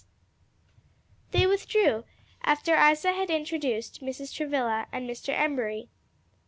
They withdrew after Isa had introduced Mrs. Travilla and Mr. Embury.